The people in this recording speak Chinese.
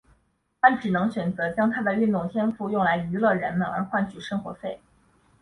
他只能选择将他的运动天赋用来娱乐人们而换取生活费。